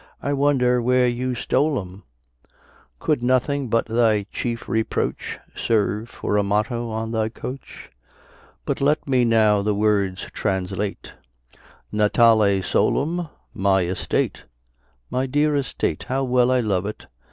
I wonder where you stole 'em: Could nothing but thy chief reproach Serve for a motto on thy coach? But let me now the words translate: Natale solum: my estate: My dear estate, how well I love it!